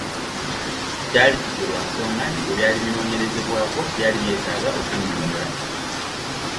Kyali kityo lwa nsonga nti ebyali binoonyerezebwako byali byetaaga kunnyonnyola.